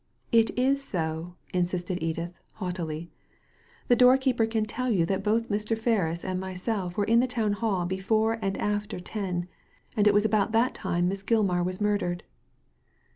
" It is so," insisted Edith, haughtily. " The door keeper can tell you that both Mr. Ferris and myself were in the Town Hall before and after ten, and it was about that time Miss Gilmar was murdered."